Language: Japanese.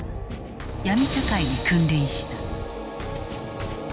ヤミ社会に君臨した。